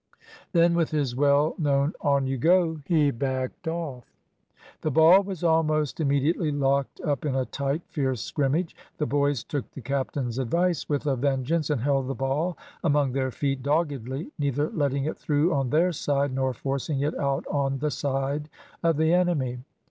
Then, with his well known "On you go!" he lacked off. The ball was almost immediately locked up in a tight, fierce scrimmage. The boys took the captain's advice with a vengeance, and held the ball among their feet doggedly, neither letting it through on their side, nor forcing it out on the side of the enemy.